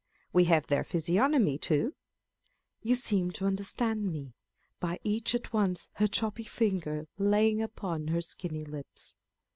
We have their physiognomy too â€" â€¢ you seem to understand me, By each at once her choppy finger laying Upon her skinny lips.